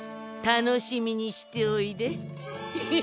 楽しみにしておいで。